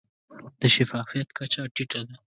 د شفافیت کچه ټیټه ده.